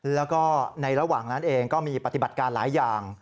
แล้วก็ในระหว่างนั้นเองก็มีปฏิบัติการหลายอย่าง